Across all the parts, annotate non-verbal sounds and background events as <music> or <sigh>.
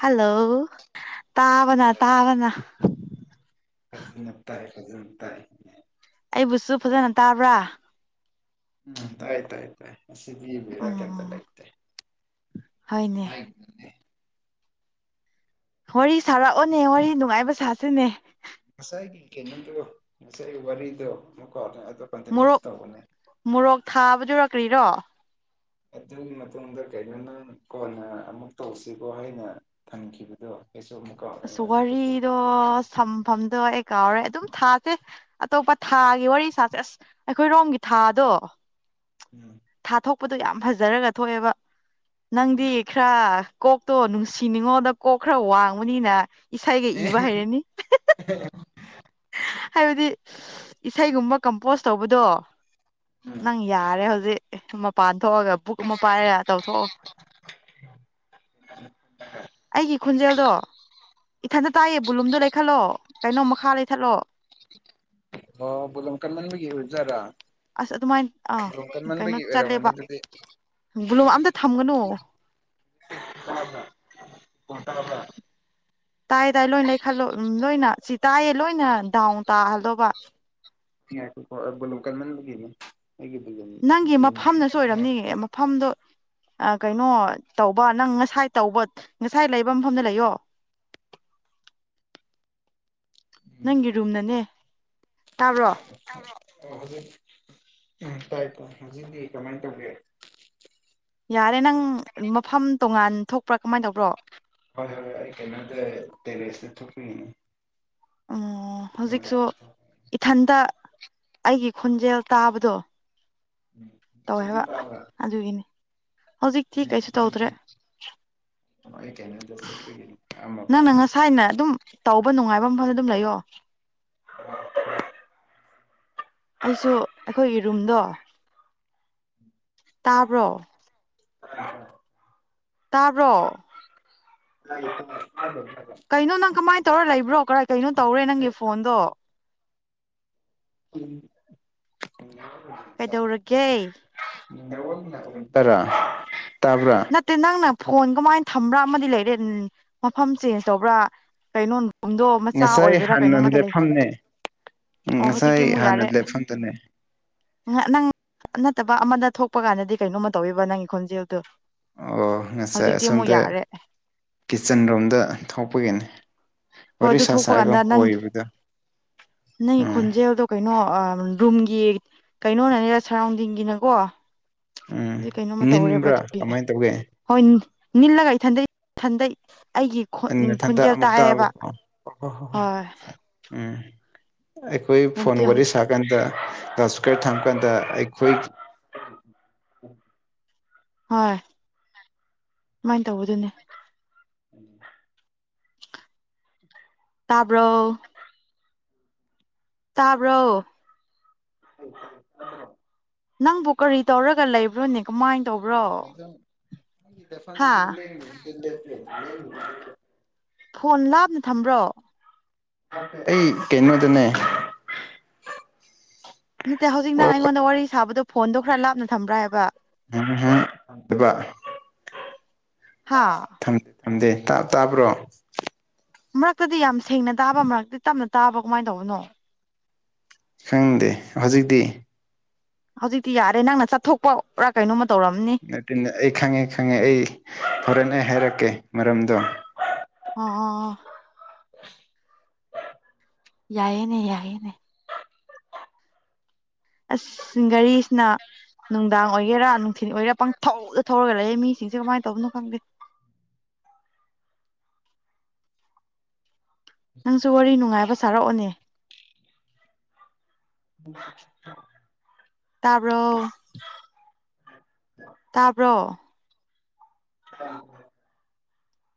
hello ꯇꯥꯕꯅꯥ ꯇꯥꯕꯅ ꯍꯖ ꯇꯥ ꯍꯖꯤ ꯇꯥꯔ ꯑꯩꯕꯨꯁꯨ ꯐꯖꯅ ꯇꯥꯕ꯭ꯔꯥ ꯎꯝ ꯍꯥꯏꯥꯏꯥꯏ ꯇꯥꯏ ꯁꯤꯗꯤꯤ ꯕꯤꯔꯀꯦꯇ ꯎꯝ ꯂꯩꯥꯏꯇꯦ ꯍꯣꯏꯅꯦ ꯍꯥꯏꯅꯦ ꯋꯥꯔꯤ ꯁꯥꯔꯛꯑꯣꯅꯦ ꯋꯥꯔꯤ ꯅꯨꯡꯉꯥꯏꯕ ꯁꯥꯁꯤꯅꯦ ꯉꯁꯥꯏꯒꯤ ꯀꯩꯅꯣꯗꯣ ꯉꯁꯥꯏꯒꯤ ꯋꯥꯔꯤꯗꯣ ꯑꯃꯨꯀꯣ ꯃꯣꯔꯣꯛ ꯃꯣꯔꯣꯛ ꯊꯥꯕꯗꯨꯔꯀ꯭ꯔꯤꯔꯣ ꯑꯗꯨꯒꯤ ꯃꯇꯨꯡꯗ ꯀꯩꯅꯣ ꯅꯪ ꯀꯣꯟꯅ ꯑꯃꯨꯛ ꯇꯧꯁꯤꯕꯣ ꯍꯥꯏꯅ ꯊꯝꯈꯤꯕꯗꯣ ꯑꯩꯁꯨ ꯑꯃꯨꯛ ꯀꯥꯎꯔꯦꯅꯦ ꯁ ꯑꯗꯨ ꯇꯣꯄꯤꯛ ꯋꯥꯔꯤꯔꯤꯗꯣ ꯁꯝꯐꯝꯗ ꯀꯥꯎꯔꯦ ꯑꯗꯨꯝ ꯊꯥꯁꯦ ꯑꯇꯣꯞꯄ ꯊꯥꯒꯤ ꯋꯥꯔꯤ ꯁꯥꯁꯦ ꯑꯁ ꯑꯩꯈꯣꯏꯔꯣꯝꯒꯤ ꯊꯥꯗꯣ ꯎꯝ ꯊꯥꯊꯣꯛꯄꯗꯣ ꯌꯥꯝ ꯐꯖꯔꯒ ꯊꯣꯛꯑꯦꯕ ꯎꯝ ꯅꯪꯗꯤ ꯈꯔ ꯀꯣꯛꯇꯣ ꯅꯨꯡꯁꯤꯅꯤꯡꯉꯣꯗ ꯀꯣꯛ ꯈꯔ ꯋꯥꯡꯕꯅꯤꯅ ꯏꯁꯩꯒ ꯑꯦ ꯏꯕ ꯍꯥꯏꯩꯔꯅꯤ ꯍꯥꯏꯕꯗꯤ ꯏꯁꯩꯒꯨꯝꯕ ꯀꯝꯄꯣꯁ ꯇꯧꯕꯗꯣ ꯅꯪ ꯌꯥꯔꯦ ꯍꯧꯖꯤꯛ ꯃꯄꯥꯟ ꯊꯣꯛꯑꯒ ꯕꯨꯛ ꯑꯃ ꯄꯥꯏꯔꯒ ꯇꯧꯊꯣꯛꯑꯣ ꯑꯩꯒꯤ ꯈꯨꯟꯖꯦꯜꯗꯣ ꯏꯊꯟꯇ ꯇꯥꯏꯌꯦ ꯕꯨꯂꯨꯝꯗꯣ ꯂꯩꯈꯠꯂꯣ ꯀꯩꯅꯣ ꯃꯈꯥ ꯂꯩ ꯆꯠꯂꯛ ꯑꯣ ꯣꯂꯣꯡ ꯀ ꯂ ꯃꯤꯒꯤꯖꯔꯥ ꯑꯁ ꯑꯗꯨꯃꯥꯏꯅ ꯑꯥ ꯀꯩꯅꯣ ꯑꯣꯏꯔꯝꯒꯅꯤ ꯆꯠꯂꯦꯕ ꯑꯗꯨꯗꯤ ꯕꯂꯣ ꯑꯝꯇ ꯊꯝꯒꯅꯣ ꯀ ꯇꯔꯕ ꯇꯥꯏ ꯇꯥꯏ ꯂꯣꯏ ꯂꯩꯈꯠꯂꯣ ꯂꯣꯏꯅ ꯁꯤ ꯇꯥꯏꯌꯦ ꯂꯣꯏꯅ ꯗꯥꯎꯟ ꯇꯥꯍꯜꯗꯧꯕ ꯒꯣꯂꯨ ꯀꯥꯟ ꯃꯒꯅꯤ ꯅꯪꯒꯤ ꯃꯐꯝꯅꯁꯨ ꯑꯣꯏꯔꯝꯅꯤꯉ ꯃꯐꯝꯗꯣ ꯀꯩꯅꯣ ꯇꯧꯕ ꯅꯪ ꯉꯁꯥꯏ ꯇꯧꯕ ꯉꯁꯥꯏ ꯂꯩꯕ ꯃꯐꯝꯗ ꯂꯩꯌꯣ <unintelligible> ꯅꯪꯒꯤ ꯔꯨꯝꯅꯅꯦ ꯇꯥꯕ꯭ꯔꯣ ꯑꯣ ꯍꯧ ꯇꯥꯏ ꯇꯥꯏ ꯍꯧꯖꯤꯗꯤ ꯀꯃꯥꯏꯅ ꯇꯧꯧꯕ ꯌꯥꯔꯦ ꯅꯪ ꯃꯐꯝ ꯇꯣꯉꯥꯟ ꯊꯣꯛꯄ꯭ꯔꯥ ꯀꯃꯥꯏꯅ ꯇꯧꯕ꯭ꯔꯣ ꯍꯣꯏ ꯍꯣꯏ ꯑꯩ ꯀꯩꯅꯗ ꯇꯦꯔꯦꯁꯦ ꯊꯣꯛꯀꯤꯅꯤ ꯑꯣ ꯍꯧꯖꯤꯛꯁꯨ ꯏꯊꯟꯇ ꯑꯩꯒꯤ ꯈꯣꯟꯖꯦꯜ ꯇꯥꯕꯗꯣ ꯎꯝ ꯍꯧꯖꯤꯛꯁꯨ ꯑꯗꯨꯝ ꯇꯧꯋꯦꯕ ꯇꯥꯕ꯭ꯔꯥ ꯑꯗꯨꯒꯤꯅꯤ ꯍꯧꯖꯤꯛꯇꯤ ꯀꯩꯁꯨ ꯇꯧꯗ꯭ꯔꯦ ꯑꯩ ꯀꯩꯅꯣꯗ ꯆꯠꯄꯒꯤꯅꯤ ꯑꯥ ꯃꯄꯥꯟ ꯅꯪꯅ ꯉꯁꯥꯏꯅ ꯑꯗꯨꯝ ꯇꯧꯕ ꯅꯨꯡꯉꯥꯏꯕ ꯃꯐꯝ ꯑꯗꯨꯝ ꯂꯩꯌꯣ ꯑ ꯑꯩꯁꯨ ꯑꯩꯈꯣꯏꯒꯤ ꯔꯨꯝꯗꯣ ꯇꯥꯕ꯭ꯔꯣ ꯍꯔ ꯇꯔꯣ ꯣ ꯀꯩꯅꯣ ꯅꯪ ꯀꯃꯥꯏ ꯇꯧꯔ ꯂꯩꯕ꯭ꯔꯣ ꯀꯔ ꯀꯩꯅꯣ ꯇꯧꯔꯦ ꯅꯪꯒꯤ ꯐꯣꯟꯗꯣ ꯎꯝ ꯀꯩꯗꯧꯔꯒꯦ ꯇꯔ ꯅꯠꯇꯦ ꯅꯪꯅ ꯐꯣꯟ ꯀꯃꯥꯏꯅ ꯊꯝꯕ꯭ꯔꯥ ꯑꯃꯗꯤ ꯂꯩꯔꯦ ꯃꯐꯝ ꯆꯦꯟꯖ ꯇꯧꯕ꯭ꯔꯥ ꯀꯩꯅꯣ ꯀꯨꯝꯗꯣ ꯃꯆꯥ ꯉꯁꯥꯏ ꯑꯣꯏꯕ꯭ꯔꯥ ꯍꯥꯟꯅ ꯀꯩꯅꯣꯝꯃꯗ ꯂꯩ ꯂꯦꯞꯐꯝꯅꯦ ꯎꯝ ꯑꯣ ꯍꯧꯖꯤꯛꯇꯤ ꯉꯁꯥꯏ ꯑꯃꯨꯛ ꯍꯥꯟꯅ ꯌꯥꯔꯦ ꯂꯦꯞꯐꯝꯗꯨꯅꯦ ꯅꯪ ꯅꯠꯇꯕ ꯑꯃꯗ ꯊꯣꯛꯄ ꯀꯥꯟꯗꯗꯤ ꯀꯩꯅꯣꯝꯃ ꯇꯧꯋꯦꯕ ꯅꯪꯒꯤ ꯈꯣꯟꯖꯦꯜꯗꯣ ꯑꯣ ꯉꯁꯥꯏ ꯍꯧꯖꯤꯛꯇꯤ ꯑꯃꯨꯛ ꯑꯁꯣꯝꯗ ꯌꯥꯔꯦ ꯀꯤꯠꯆꯟ ꯔꯣꯝꯗ ꯊꯣꯛꯄꯒꯤꯅꯤ ꯍꯣꯏ ꯋꯥꯔꯤ ꯑꯗꯨ ꯁꯥ ꯊꯣꯛꯄ ꯁꯥꯔꯒ ꯀꯥꯟꯗ ꯅꯪ ꯀꯣꯏꯕꯗꯣ ꯅꯪ ꯎꯝ ꯈꯨꯣꯟꯖꯦꯜ ꯍꯧꯗꯣ ꯀꯩꯅꯣ ꯔꯨꯝꯒꯤ ꯀꯩꯅꯣꯅꯅꯦ ꯁꯔꯥꯎꯟꯗꯤꯡꯒꯤꯅꯀꯣ ꯎꯝ ꯑꯗꯨꯗꯤ ꯀꯩꯅꯣꯝꯃ ꯇꯧꯔꯦꯕ ꯅꯤꯟꯕ꯭ꯔꯥ ꯑꯗꯨꯒꯤ ꯀꯃꯥꯏꯅ ꯇꯧꯒꯦ ꯍꯣꯏ ꯅꯤꯜꯂꯒ ꯏꯊꯟꯗꯩ ꯏꯊꯟꯗꯩ ꯑꯩꯒꯤ ꯈꯣꯟꯖꯦꯜ ꯇꯥꯛꯑꯦꯕ ꯑꯣ ꯍꯣꯏ ꯎꯝ ꯑꯩꯈꯣꯏ ꯐꯣꯟ ꯑꯗꯨ ꯋꯥꯔꯤꯦ ꯍꯧꯖꯤꯛ ꯁꯥꯔꯀꯥꯟꯗ ꯀ꯭ꯂꯁꯀꯔ ꯊꯝꯃ ꯀꯥꯟꯗ ꯑꯩꯈꯣꯏ ꯍꯣꯏ ꯁꯨꯃꯥꯏꯅ ꯇꯧꯕꯗꯨꯅꯦ ꯎꯝ ꯇꯥꯕ꯭ꯔꯣ ꯇꯥꯕ꯭ꯔꯣ ꯍ ꯅꯪꯕꯨ ꯀꯔꯤ ꯇꯧꯔꯒ ꯂꯩꯕ꯭ꯔꯣꯅꯦ ꯀꯃꯥꯏꯅ ꯇꯧꯕ꯭ꯔꯣ ꯗꯗ ꯍꯥ ꯑꯗꯨ ꯐꯣꯟ ꯂꯥꯞꯅ ꯊꯝꯕ꯭ꯔꯣ ꯑꯩ ꯀꯩꯅꯣ ꯇꯅꯦ ꯅꯠꯇꯦ ꯍꯧꯖꯤꯛ ꯅꯪ ꯑꯩꯉꯣꯟꯗ ꯋꯥꯔꯤ ꯁꯥꯕꯗꯣ ꯐꯣꯟꯗꯣ ꯈꯔ ꯂꯥꯞꯅ ꯊꯝꯕ꯭ꯔꯥ ꯍꯥꯏꯕ ꯎꯄꯥ ꯍꯥꯥ ꯈꯪꯗꯦ ꯇꯥꯞ ꯇꯥꯕ꯭ꯔꯣ ꯃꯔꯛꯇꯗꯤ ꯌꯥꯝ ꯁꯦꯡꯅ ꯇꯥꯕ ꯃꯔꯛꯇꯤ ꯇꯞꯅ ꯇꯥꯕ ꯀꯃꯥꯏꯅ ꯇꯧꯕꯅꯣ ꯈꯪꯗꯦ ꯍꯧꯖꯤꯛꯇꯤ ꯍꯧꯖꯤꯛꯇꯤ ꯌꯥꯔꯦ ꯅꯪꯅ ꯆꯠꯊꯣꯛꯄꯔꯥ ꯀꯩꯅꯣꯃ ꯑꯩ ꯈꯪꯉꯦ ꯈꯪꯉꯦ ꯑꯩ ꯍꯣꯔꯦꯦꯟ ꯑꯩ ꯍꯥꯏꯔꯛꯀꯦ ꯃꯔꯝꯗꯣ ꯑꯥ ꯌꯥꯏꯦꯅꯦ ꯌꯥꯏꯅꯦ ꯑꯁ ꯘꯔꯤꯁꯤꯅ ꯅꯨꯡꯗꯥꯡ ꯑꯣꯏꯒꯦꯔꯥ ꯅꯨꯡꯊꯤꯟꯜ ꯑꯣꯏꯒꯦꯔꯥ ꯄꯪꯊꯧꯧꯗ ꯊꯧꯔꯒ ꯂꯩꯌꯦ ꯃꯤꯁꯤꯡꯁꯦ ꯀꯃꯥꯏꯅ ꯇꯧꯕꯅꯣ ꯈꯪꯗꯦ <inaudible> ꯅꯪꯁꯨ ꯋꯥꯔꯤ ꯅꯨꯡꯉꯥꯏꯕ ꯁꯥꯔꯛꯑꯣꯅꯦ ꯇꯥꯕ꯭ꯔꯣ ꯇꯥꯕ꯭ꯔꯣ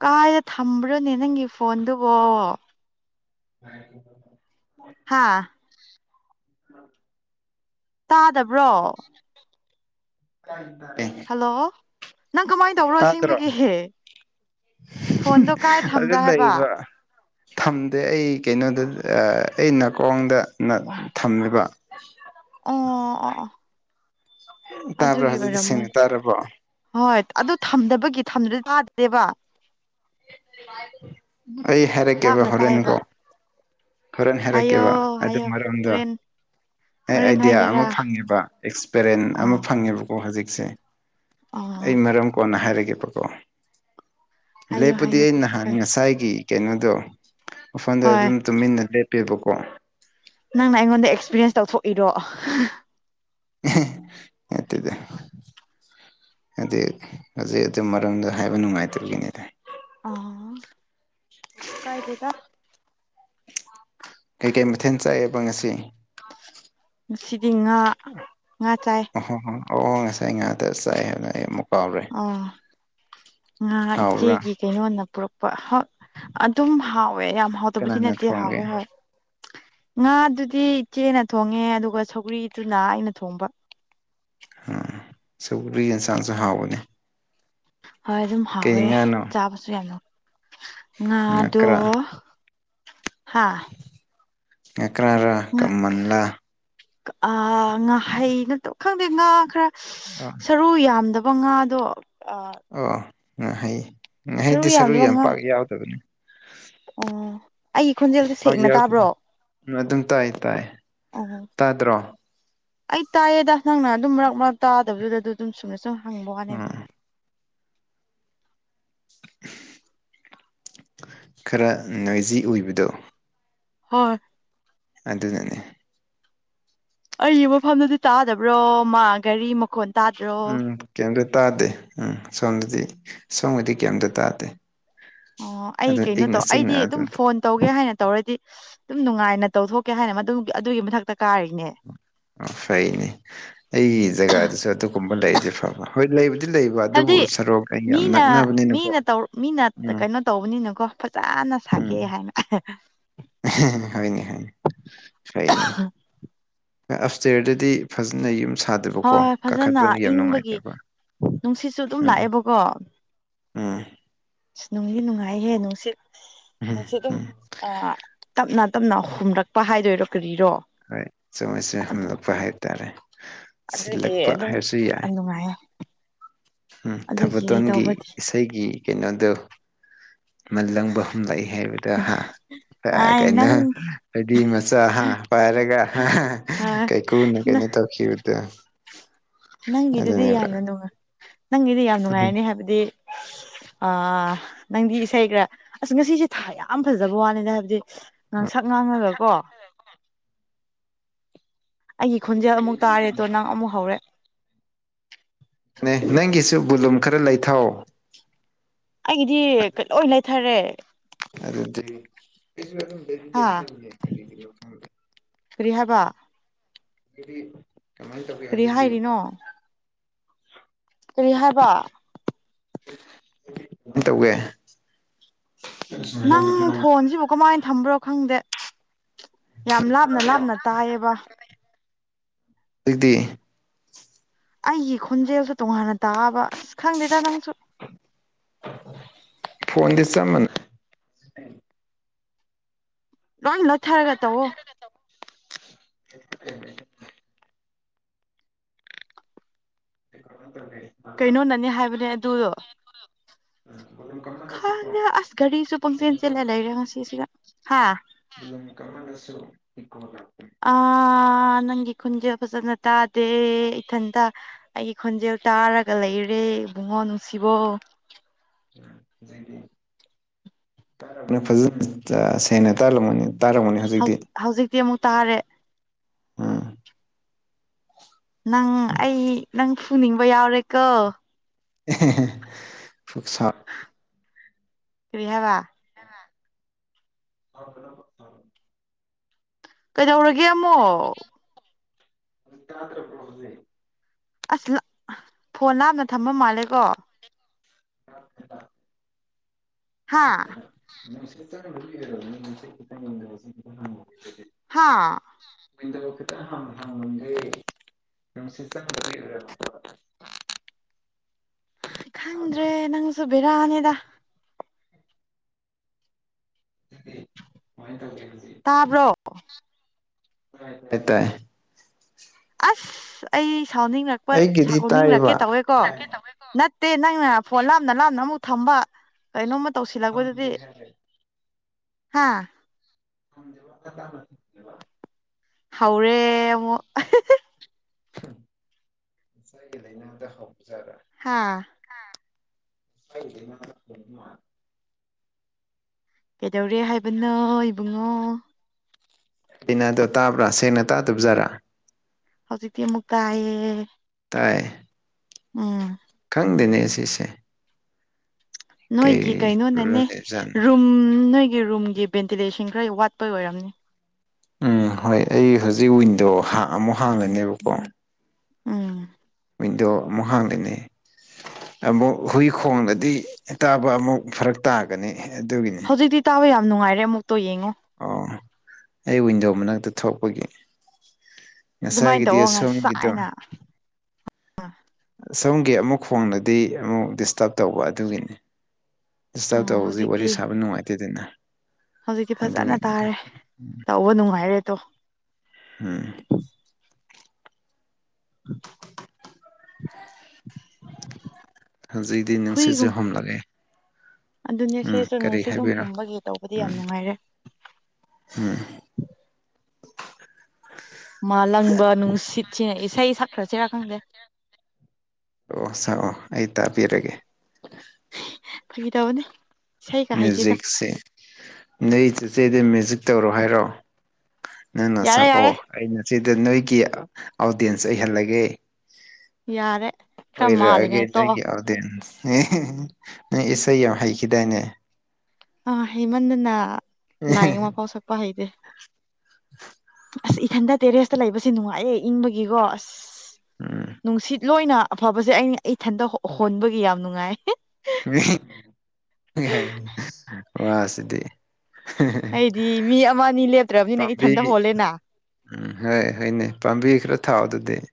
ꯀꯥꯏꯗ ꯊꯝꯕ꯭ꯔꯣꯅꯦ ꯅꯪꯒꯤ ꯐꯣꯟꯗꯨꯕꯣ ꯍꯥꯥ ꯇꯥꯗꯕ꯭ꯔꯣ ꯑꯦ ꯍꯜꯂꯣ ꯅꯪ ꯀꯃꯥꯏꯅ ꯇꯧꯔꯣ ꯇꯥꯗ꯭ꯔꯣ ꯑꯁꯦꯡꯕꯒꯤꯍꯦ ꯐꯣꯟꯗ ꯀꯥꯏ ꯑꯗꯨ ꯊꯝꯕ꯭ꯔꯥ ꯍꯥꯏꯕ ꯂꯩꯕ ꯊꯝꯗꯦ ꯑꯩ ꯀꯩꯅꯣꯗ ꯑꯩ ꯅꯥꯀꯣꯡꯗ ꯊꯝꯃꯦꯕ ꯑ ꯑꯥ ꯇꯥꯕ꯭ꯔꯥ ꯑꯗꯨꯒꯤ ꯍꯧꯖꯤꯛꯇꯤ ꯑꯣꯏꯔꯝ ꯁꯦꯡꯅ ꯇꯥꯔꯕꯣ ꯍꯣꯏ ꯑꯗꯨ ꯊꯝꯗꯕꯒꯤꯗꯤ ꯇꯥꯗꯦꯕ ꯑꯩ ꯍꯦꯔꯦ ꯀꯦꯕ ꯂꯥꯞꯅ ꯇꯥꯏꯌꯦꯕ ꯍꯔꯅꯤꯀꯣ ꯍꯣꯔꯦꯟ ꯍꯥꯏꯌꯣ ꯍꯥꯏꯔꯛꯀꯦꯕ ꯑꯗꯨ ꯍꯥꯏꯌꯣ ꯃꯔꯣꯝꯗꯣ ꯍꯣꯔꯦꯟ ꯑꯩ ꯍꯣꯔꯦꯟ ꯑꯥꯏꯗꯤꯌꯥ ꯑꯃ ꯍꯥꯏꯒꯦꯔꯥ ꯐꯪꯉꯦꯕ ꯑꯦꯛꯁꯄꯦꯔꯤꯦꯟ ꯑꯃ ꯑꯣ ꯐꯪꯉꯦꯕꯀꯣ ꯑꯣ ꯍꯧꯖꯤꯛꯁꯦ ꯑꯩ ꯑꯣ ꯃꯔꯝ ꯀꯣꯟꯅ ꯍꯥꯏꯔꯒꯦꯕꯀꯣ ꯍꯥꯏꯌꯣ ꯍꯥꯏꯌꯣ ꯂꯦꯄꯗꯤꯅ ꯀꯩꯁꯨ ꯀꯥꯏ ꯁꯥꯏ ꯀꯩꯅꯣꯗꯣ ꯃꯐꯝꯗ ꯍꯣꯏ ꯑꯗꯨꯝ ꯇꯨꯃꯤꯟꯅ ꯂꯦꯞꯄꯦꯕꯀꯣ ꯅꯪꯅ ꯑꯩꯉꯣꯟꯗ ꯑꯦꯛꯁꯄꯤꯔꯤꯌꯦꯟꯁ ꯇꯧꯊꯣꯛꯏꯔꯣ ꯃꯠꯇꯗ ꯍꯥꯏꯗꯤ ꯍꯧꯖꯤꯛ ꯑꯗꯨ ꯃꯔꯝꯗꯨ ꯍꯥꯏꯕ ꯅꯨꯡꯉꯥꯏꯇꯒꯤꯅꯤꯗ ꯑꯥ ꯀꯥꯏꯗꯦꯗ ꯀꯩꯀꯩ ꯃꯊꯦꯜ ꯆꯥꯏꯑ‌ꯦꯕ ꯉꯁꯤ ꯉꯁꯤꯗꯤ ꯉꯥ ꯉꯥ ꯆꯥꯏ ꯑꯣꯍꯣ ꯍꯣ ꯑꯣ ꯉꯁꯥꯏ ꯉꯥꯏꯥꯛꯇ <unintelligible> ꯆꯥꯏ ꯍꯥꯏꯕꯅ ꯑꯩ ꯑꯃꯨꯛ ꯀꯥꯎꯔꯦ ꯑꯥ ꯉꯥꯍꯟ ꯍꯥꯎꯕ꯭ꯔꯥ ꯏꯆꯦꯒꯤ ꯀꯩꯅꯣꯅ ꯄꯨꯔꯛꯄ ꯑꯗꯨꯝ ꯍꯥꯎꯋ‌ꯦ ꯍꫭꯏ ꯌꯥꯝ ꯍꯥꯎ ꯇꯕꯗꯤ ꯀꯅꯥꯅ ꯅꯠꯇ ꯊꯣꯡꯒꯦ ꯍꯥꯎꯋꯦ ꯍꫭꯏ ꯉꯥꯗꯨꯗꯤ ꯏꯆꯦꯅ ꯊꯣꯡꯉꯦ ꯑꯗꯨꯒ ꯁꯧꯒ꯭ꯔꯤꯗꯨꯅ ꯑꯩꯅ ꯊꯣꯡꯕ ꯑꫭ ꯁꯒꯔꯤ ꯏꯟꯁꯥꯡꯁꯨ ꯍꯥꯎꯕꯅꯦ ꯍꯣꯏ ꯑꯗꯨꯝ ꯀꯩ ꯍꯥꯎꯋꯦ ꯉꯥꯅꯣ ꯆꯥꯕꯁꯨ ꯌꯥꯝꯅ ꯉꯥꯗꯣ ꯉꯀ꯭ꯔꯥ ꯍꯥꯥ ꯌꯥꯀ꯭ꯔꯔ ꯉꯥ ꯀꯃꯟꯂ ꯑꯥ ꯉꯥꯍꯩꯅꯠꯇ ꯈꯪꯗꯦ ꯉꯥ ꯈꯔ ꯁꯔꯨ ꯌꯥꯝꯗꯕ ꯕꯉꯥꯗꯣ ꯑꯣ ꯉꯥꯍꯩ ꯉꯥꯍꯩꯗꯤ ꯁꯔꯨ ꯌꯥꯝꯗꯕ ꯌꯥꯝ ꯉꯥ ꯄꯥꯛ ꯌꯥꯎꯗꯕꯅꯤ ꯑꯣ ꯑꯩꯒꯤ ꯈꯣꯟꯖꯦꯜꯗꫭ ꯁꯦꯡꯅꯥ ꯇꯥꯕ꯭ꯔꯣ ꯎꯝ ꯑꯗꯨꯝ ꯇꯥꯏ ꯇꯥꯏ ꯑꯣ ꯇꯥꯗ꯭ꯔꯣ ꯑꯩ ꯇꯥꯏꯌꯦꯗ ꯅꯪꯅ ꯑꯗꯨꯝ ꯃꯔꯛ ꯃꯔꯛ ꯇꯥꯗꯕꯗꯨꯗ ꯑꯗꯨ ꯑꯗꯨꯝ ꯆꯨꯝꯅ ꯁꯨꯝ ꯍꯪꯕ ꯋꯥꯅꯤ ꯑꯗ ꯎꯝ ꯈꯔ ꯅꯣꯏꯖꯤ ꯑꯣꯏꯕꯗꯣ ꯍꫭꯏ ꯑꯗꯨꯅꯥꯅꯦ ꯑꯩꯒꯤ ꯃꯐꯝꯗꯨꯗꯤ ꯇꯥꯗꯕ꯭ꯔꯣ ꯃꯥ ꯒꯥꯔꯤ ꯃꯈꯣꯟ ꯇꯥꯗ꯭ꯔꯣ ꯎꯝ ꯀꯩꯇ ꯇꯥꯗꯦ ꯎꯝ ꯁꯣꯝꯗꯗꯤ ꯁꯣꯝꯒꯤꯗꯤ ꯀꯩꯝꯇ ꯇꯥꯗꯦ ꯑꯣ ꯑꯩ ꯑꯗꯨ ꯀꯩꯅꯣ ꯏꯪꯅ ꯇꯧ ꯑꯩꯗꯤ ꯆꯤꯛꯅ ꯑꯗꯨꯝ ꯐꯣꯟ ꯇꯧꯒꯦ ꯍꯥꯏꯅ ꯇꯧꯔꯗꯤ ꯑꯗꯨꯝ ꯅꯨꯡꯉꯥꯏꯅ ꯇꯧꯊꯣꯛꯀꯦ ꯍꯥꯏꯅ ꯃꯗꯨ ꯑꯗꯨꯒꯤ ꯃꯊꯛꯇ ꯀꯥꯔꯤꯅꯦ ꯐꯩꯅ‌ꯦ ꯑꯩꯒꯤ ꯖꯒꯥꯗꯨꯁꯨ ꯑꯗꯨꯒꯨꯝꯕ ꯂꯩꯗꯤ ꯐꯕ ꯍꯣꯏ ꯂꯩꯕꯨꯗꯤ ꯂꯩꯕ ꯑꯗꯨꯕꯨ ꯍꯥꯏꯕꯗꯤ ꯁꯔꯣꯛ ꯀꯥ ꯌꯥꯝ ꯃꯤꯅ ꯅꯛꯅꯕꯅꯤꯅ ꯃꯤꯅ ꯇꯧ ꯃꯤꯅ ꯀꯩꯅꯣ ꯇꯧꯕꯅꯤ ꯆꯥꯅ ꯎꯝ ꯁꯥꯒꯦ ꯍꯥꯏꯅ ꯍꯥꯏꯅꯤ ꯍꯥꯏꯅꯤ ꯐꯩꯅꯤ ꯑꯐꯇꯔꯗꯗꯤ ꯐꯖꯅ ꯌꯨꯝ ꯁꯥꯗꯕꯀꯣ ꯍꯣꯏꯣꯏ ꯐꯖꯅ ꯀꯥꯈꯠꯄꯅ ꯌꯥꯝ ꯏꯪꯕꯒꯤ ꯅꯨꯡꯉꯥꯏꯇꯕ ꯅꯨꯡꯁꯤꯠꯁꯨ ꯑꯗꯨꯝ ꯎꯝ ꯂꯥꯛꯑꯦꯕꯀꯣ ꯎꯝ ꯅꯨꯡꯗꯤ ꯅꯨꯡꯉꯥꯏꯍꯦ ꯅꯨꯡꯁꯤꯠ ꯎꯝ ꯅꯨꯡ ꯁꯤꯠ ꯑꯗꯨꯝ ꯎꯝ ꯑꯥ ꯇꯞꯅ ꯇꯞꯅ ꯍꯨꯝꯔꯛꯄ ꯍꯥꯏꯗꯣꯏꯔꯣ ꯀꯔꯤꯔꯣ ꯍꯣꯏ ꯆꯣꯏꯁ <unintelligible> ꯑꯗꯣ ꯍꯨꯝꯂꯛꯄ ꯍꯥꯏ ꯇꯔꯦ ꯑꯗꯨꯒꯤ ꯑꯗꯨꯝ ꯅꯨꯡꯉꯥꯏꯌꯦ ꯎꯝ ꯑꯗꯨꯒꯤ ꯊꯕꯇꯣꯟꯒꯤ ꯇꯧꯕꯗꯤ ꯏꯁꯩꯒꯤ ꯀꯩꯅꯣꯗꯨꯣ ꯃꯥꯂꯪꯕ ꯍꯨꯝꯂꯛꯏ ꯍꯥꯏꯕꯗ ꯍꯥ ꯍꯥꯏ ꯀꯩꯅꯣ ꯅꯪ ꯍꯥꯏꯗꯤ ꯃꯆꯥ ꯍꯥ ꯄꯥꯏꯔꯒ ꯀꯩꯀꯨꯅ ꯀꯩꯅꯣ ꯇꯧꯈꯤꯕꯗꫭ ꯅꯪꯒꯤꯗꯨꯗꯤ ꯌꯥꯝꯅ ꯅꯨꯡꯉꯥꯏ ꯅꯪꯒꯤꯗꯤ ꯌꯥꯝ ꯎꯝ ꯅꯨꯡꯉꯥꯏꯔꯅꯤ ꯍꯥꯏꯕꯗꯤ ꯑꯥ ꯅꯪꯗꯤ ꯏꯁꯩꯈ꯭ꯔꯥ ꯑꯁ ꯉꯁꯤꯁꯦ ꯊꯥ ꯌꯥꯝ ꯐꯖꯕ ꯋꯥꯅꯤꯗ ꯍꯥꯏꯕꯗꯤ ꯉꯥꯡꯁꯛ ꯉꯥꯡꯉꯒ ꯀꯣ ꯑꯩꯒꯤ ꯈꯨꯣꯟꯖꯦꯜ ꯑꯃꯨꯛ ꯇꯥꯔꯦꯗꯣ ꯅꯪ ꯑꯃꯨꯛ ꯍꯧꯔꯦ ꯑꯦ ꯅꯪꯒꯤꯁꯨ ꯕꯨꯂꯨꯝ ꯈꯔ ꯂꯩꯊꯧ ꯑꯩꯒꯤꯗꯤ ꯂꯣꯏ ꯂꯩꯊꯔꯦ ꯦ ꯍꯥ ꯊ ꯀꯔꯤ ꯍꯥꯏꯕ ꯗꯤ ꯀꯃꯥꯏꯅ ꯇꯧꯒꯦ ꯀꯔꯤ ꯍꯧꯖꯤꯛꯇꯤ ꯍꯥꯏꯔꯤꯅꯣ ꯔꯤ ꯍꯥꯏꯕ ꯇꯧꯒꯦ ꯅꯪ ꯐꯣꯟꯁꯤꯕꯨ ꯀꯃꯥꯏꯅ ꯊꯝꯕ꯭ꯔꯣ ꯈꯪꯗꯦ ꯌꯥꯝ ꯂꯥꯞꯅ ꯂꯥꯞꯅ ꯇꯥꯏꯌꯦꯕ ꯑꯗꯤ ꯑꯩꯒꯤ ꯈꯣꯟꯖꯦꯜꯁꯨ ꯇꯣꯉꯥꯟꯅ ꯇꯥꯑꯕ ꯑꯁ ꯈꯪꯗꯦꯗ ꯅꯪꯁꯨ ꯐꯣꯟꯣꯟꯗꯤꯁ ꯃꯅꯦ ꯅꯪ ꯅꯠꯇꯔꯒ ꯇꯕꯣ <unintelligible> ꯍ ꯀꯩꯅꯣꯅꯅꯤ ꯍꯥꯏꯕꯅꯦ ꯑꯗꯨꯗꯣ ꯕꯣꯂꯨꯝ ꯈ ꯀꯝꯃꯜꯂꯁꯨꯀꯣ ꯑꯁ ꯒꯥꯔꯤꯁꯨ ꯄꯪꯆꯦꯟ ꯀꯩꯅꯣ ꯆꯦꯜꯂ ꯂꯩꯔꯦ ꯉꯁꯤꯁꯤꯗ ꯍꯥ ꯑꯗꯨꯝ ꯀꯔꯃ ꯀꯁꯨ ꯄ ꯑꯥ ꯅꯪꯒꯤ ꯈꯣꯟꯖꯦꯜ ꯐꯖꯅ ꯇꯥꯗꯦ ꯏꯊꯟꯇ ꯑꯩꯒꯤ ꯈꯣꯟꯖꯦꯜ ꯇꯥꯔꯒ ꯂꯩꯔꯦ ꯏꯕꯨꯡꯉꯣ ꯅꯨꯡꯁꯤꯕ <unintelligible> <unintelligible> ꯐꯖ ꯁꯦꯅ ꯇꯂ ꯃꯅꯤ ꯇꯥꯏꯔꯝꯒꯅꯦ ꯍꯧꯖꯤꯛꯇꯤ ꯛꯇꯤ ꯑꯃꯨꯛ ꯇꯥꯔꯦ ꯎꯝ ꯅꯪ ꯑꯩ ꯅꯪ ꯐꯨꯅꯤꯡꯕ ꯌꯥꯎꯔꯦꯀꯣ ꯁ ꯁꯥꯎ ꯀ꯭ꯔꯤꯍꯕ ꯑ ꯀꯩꯗꯧꯔꯒꯦ ꯑꯃꯃꯣ ꯗ꯭ꯔ ꯄꯁꯦ ꯑꯁ ꯐꯣꯟ ꯂꯥꯞꯅ ꯊꯝꯕ ꯃꯥꯜꯂꯦꯀꯣ ꯑ ꯍꯥꯥ <unintelligible> ꯍꯥꯥ ꯃ ꯈꯦꯇ ꯍꯥꯡ ꯊ ꯍꯝꯁꯤ ꯀ ꯈꯪꯗ꯭ꯔꯦ ꯅꯪꯁꯨ ꯕꯤꯔꯥꯅꯤꯗ ꯑꯗꯨꯗꯤ ꯀꯃꯥꯏꯅ ꯇꯧꯒꯦ ꯇꯥꯕ꯭ꯔꯣ ꯍ ꯇꯥꯏ ꯑꯁ ꯑꯩ ꯁꯥꯎꯅꯤꯡꯔꯛꯄ ꯑꯩꯒꯤꯗꯤ ꯁꯥꯎꯅꯤꯡꯉꯛꯀꯦ ꯇꯥꯏꯌꯦꯕ ꯇꯧꯋꯦꯀꯣ ꯅꯠꯇꯦ ꯅꯪꯅ ꯐꯣꯟ ꯂꯥꯞꯅ ꯂꯥꯞꯅ ꯑꯃꯨꯛ ꯊꯝꯕ ꯀꯩꯅꯣꯝꯃ ꯇꯧꯁꯤꯜꯂꯛꯄꯗꯨꯗꯤ ꯈꯪꯗꯦ ꯍꯥꯏꯔꯦ ꯍꯥꯥ ꯁꯦ ꯍꯧꯔꯦ ꯁ ꯏꯅꯗ ꯍꯞꯖꯔ ꯍꯥꯥ ꯒ ꯀꯩꯗꯧꯔꯦ ꯍꯥꯏꯕꯅꯣ ꯏꯕꯨꯡꯉꯣ ꯂꯤꯅꯥꯗꯣ ꯇꯥꯕ꯭ꯔꯥ ꯁꯦꯡꯅ ꯇꯥꯗꯕꯖꯥꯔꯥ ꯍꯧꯖꯤꯛ ꯇꯤ ꯑꯃꯨꯛ ꯇꯥꯌꯦ ꯇ ꯎꯝ ꯈꯪꯗꯦꯅꯦ ꯁꯤꯁꯦ ꯅꯣꯏꯒꯤ ꯀꯩ ꯀꯩꯅꯣꯅꯅꯦ ꯄ꯭ꯔꯣꯕ꯭ꯂꯦꯝ ꯂꯩꯕꯖꯥꯠꯅꯣ ꯔꯨꯝ ꯅꯣꯏꯒꯤ ꯔꯨꯝ ꯚꯦꯟꯇꯤꯂꯦꯁꯟ ꯈꯔ ꯋꯥꯠꯄꯩ ꯑꯣꯏꯔꯝꯅꯤ ꯎꯝ ꯍꯣꯏ ꯑꯩ ꯍꯧꯖꯤꯛ ꯋꯤꯟꯗꯣ ꯑꯃꯨꯛ ꯍꯥꯡꯒꯅꯤꯕꯀꯣ ꯎꯝ ꯋꯤꯟꯗꯣ ꯑꯃꯨꯛ ꯍꯥꯡꯗꯣꯏꯅꯦ ꯑꯃꯨꯛ ꯍꯨꯏ ꯈꯣꯡꯂꯥꯗꯤ ꯇꯥꯕ ꯑꯃꯨꯛ ꯐꯔꯛ ꯇꯥꯒꯅꯤ ꯑꯗꯨꯒꯤꯅꯤ ꯍꯧꯖꯤꯛꯇꯤ ꯇꯥꯕ ꯌꯥꯝ ꯅꯨꯡꯉꯥꯏꯔꯦ ꯑꯃꯨꯛ ꯑꯣ ꯑꯩ ꯋꯤꯟꯗꯣ ꯃꯅꯥꯛꯇ ꯊꯣꯛꯄꯒꯤ ꯑꯗꯨꯃꯥꯏꯅ ꯉꯁꯥꯏꯒꯤꯗꯤ ꯇꯧ ꯑꯁꯣꯝꯒꯤꯗꯣ ꯉꯥꯁꯥꯏꯅꯥ ꯁꯣꯝꯒꯤ ꯑꯃꯨꯛ ꯈꯣꯡꯅꯗꯤ ꯑꯃꯨꯛ ꯗꯤꯁꯇꯔꯕ ꯇꯧꯕ ꯑꯗꯨꯒꯤꯅꯤ ꯏꯁꯗꯤꯁꯇꯥꯞ ꯎꯝ ꯇꯧꯕꯁꯦ ꯍꯧꯖꯤꯛꯇꯤ ꯋꯥꯔꯤ ꯁꯥꯕ ꯅꯨꯡꯉꯥꯏꯇꯦꯗꯅ ꯍꯧꯖꯤꯛꯇꯤ ꯐꯖꯅ ꯑꯗꯨꯒꯤꯅꯤꯗ ꯇꯥꯔꯦ ꯇꯧꯕ ꯅꯨꯡꯉꯥꯏꯔꯦꯗꯣ ꯍꯣꯏ ꯍꯨ ꯍꯧꯖꯤꯛꯇꯤ ꯅꯨꯡꯁꯤꯠꯁꯨ ꯍꯨꯝꯂꯛ ꯑ ꯑꯗꯨꯅꯦ ꯁꯤꯁꯨ ꯅꯨꯡꯁꯤꯠ ꯑꯗꯨꯝ ꯍꯥꯏꯕꯤꯔꯣ ꯍꯨꯝꯕꯒꯤ ꯇꯧꯕꯗꯤ ꯌꯥꯝ ꯅꯨꯡꯉꯥꯏꯔꯦ ꯍꯝ ꯃꯥꯂꯪꯕ ꯅꯨꯡꯁꯤꯠ ꯁꯤꯅ ꯏꯁꯩ ꯁꯛꯈ꯭ꯔꯁꯤꯔꯥ ꯈꯪꯗꯦ ꯑꯣ ꯁꯛꯑꯣ ꯑꯩ ꯇꯥꯕꯤꯔꯒꯦ ꯐꯥꯒꯤ ꯇꯧꯕꯅꯦ ꯏꯁꯩꯒ ꯍꯩꯇꯦꯗ ꯃ꯭ꯌꯨꯖꯤꯛꯁꯦ ꯅꯣꯏ ꯆꯦꯠꯆꯦꯗ ꯃ꯭ꯌꯨꯖꯤꯛ ꯇꯧꯔꯣ ꯍꯥꯏꯔꯣ ꯅꯪꯅ ꯌꯥꯔꯦ ꯁꯛ ꯌꯥꯔꯦ ꯑꯣ ꯑꯩꯅ ꯁꯤꯗ ꯅꯣꯏꯒꯤ ꯑꯣꯗꯤꯌꯦꯟꯁ ꯑꯩ ꯍꯜꯂꯒꯦ ꯌꯥꯔꯦ ꯈꯔ ꯑꯣꯏꯔꯛꯑꯒꯦ ꯃꯥꯜꯂꯤꯉꯩ ꯇꯣꯛꯑꯣ ꯅꯣꯏꯒꯤ ꯑꯥꯎꯗꯦꯟꯁ ꯏꯁꯩ ꯌꯥꯝ ꯍꯩꯈꯤꯗꯥꯏꯅꯦ ꯑ ꯍꯩꯃꯟꯗꯨꯅ ꯂꯥꯏꯒꯤ ꯃ ꯄꯥꯎ ꯁꯛꯄ ꯍꯩꯇꯦ ꯗ ꯑꯁ ꯏꯊꯟꯗ ꯇꯦꯔꯦꯁꯇ ꯂꯩꯕꯁꯦ ꯅꯨꯡꯉꯥꯏꯑꯦ ꯏꯪꯕꯒꯤꯀꯣ ꯑꯁ ꯎꯝ ꯅꯨꯡꯁꯤꯠ ꯂꯣꯏꯅ ꯑꯐꯕꯁꯦ ꯑꯩꯅ ꯏꯊꯟꯇ ꯍꯣꯟꯕꯒꯤ ꯌꯥꯝ ꯅꯨꯡꯉꯥꯏꯌꯦ ꯋꯥꯁꯤꯗꯤ ꯑꯩꯗꯤ ꯃꯤ ꯑꯃ ꯑꯅꯤ ꯂꯦꯞꯇ꯭ꯔꯕꯅꯤꯅ ꯄꯥꯝꯕꯤ ꯏꯊꯟꯇ ꯍꯣꯜꯂꯦꯅ ꯎꯝ ꯍꯣꯏ ꯍꯣꯏꯅꯦ ꯄꯥꯝꯕꯤ ꯈꯔ ꯊꯥꯎꯗꯗꯤ